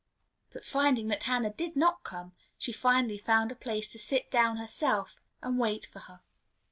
But finding that Hannah did not come, she finally found a place to sit down herself and wait for her.